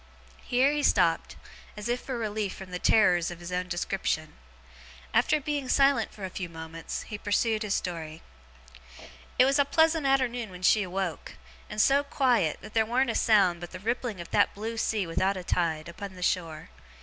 Here he stopped, as if for relief from the terrors of his own description. After being silent for a few moments, he pursued his story. 'It was a pleasant arternoon when she awoke; and so quiet, that there warn't a sound but the rippling of that blue sea without a tide, upon the shore.